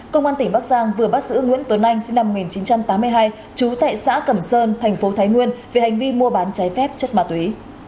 công an tỉnh bắc giang vừa bắt giữ nguyễn tuấn anh sinh năm một nghìn chín trăm tám mươi hai chú tại xã cẩm sơn thành phố thái nguyên về hành vi mua bán cháy phép chất ma túy